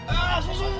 ah susungan lo